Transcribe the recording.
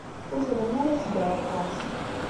Ur trennu ara ad tedder aṭas.